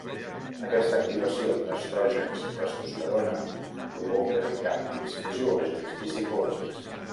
Aquesta activació d'estrògens i testosterona provoca canvis fisiològics i psicològics.